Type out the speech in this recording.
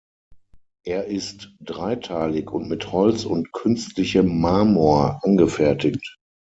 Er ist dreiteilig und mit Holz und künstlichem Marmor angefertigt.